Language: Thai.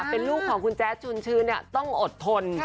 เป็นลูกของคุณแจ๊ดชุนชื้นต้องอดทน